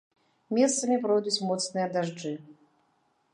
Месцамі пройдуць моцныя дажджы.